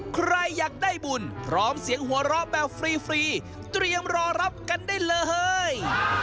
ใครอยากได้บุญพร้อมเสียงหัวเราะแบบฟรีเตรียมรอรับกันได้เลย